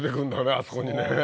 あそこにね。